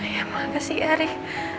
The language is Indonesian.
ya makasih ya rik